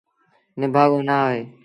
نڀآڳو نا هوئي۔